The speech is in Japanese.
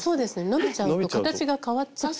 伸びちゃうと形が変わっちゃう。